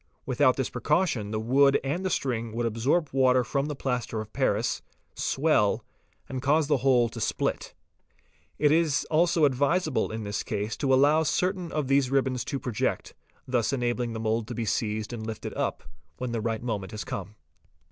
Without this precaution the wood and the string would absorb water from the plaster of paris, swell, and cause the whole to split. It is also advisable, in this case, to allow certain of these ribbons to project, thus enabling the mould "to be seized and lifted up, when the right moment has come.